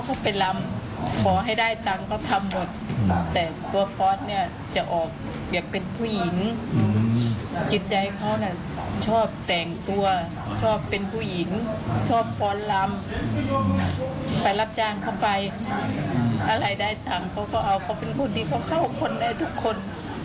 อะไรได้ต่างเขาก็เอาเขาเป็นคนที่เขาเข้าคนในทุกคน